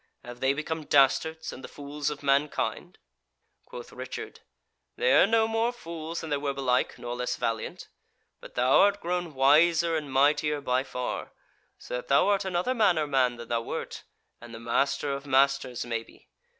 Have they become dastards, and the fools of mankind?" Quoth Richard: "They are no more fools than they were belike, nor less valiant. But thou art grown wiser and mightier by far; so that thou art another manner man than thou wert, and the Master of Masters maybe.